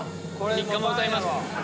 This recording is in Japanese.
３日も歌います。